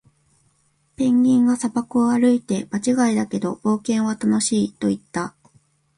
ペンギンが砂漠を歩いて、「場違いだけど、冒険は楽しい！」と言った。